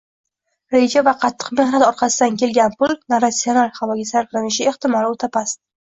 Reja va qattiq mehnat orqasidan kelgan pul noratsional havoga sarflanishi ehtimoli o‘ta past.